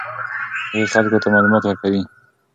هغې خلکو ته معلومات ورکوي.